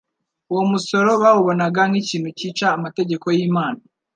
Uwo musoro bawubonaga nk'ikintu cyica amategeko y'Imana.